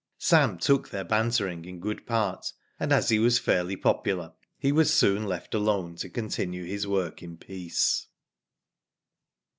Sam took their bantering in good part, and as he was fairly popular he was soon left alone to continue his work in peace.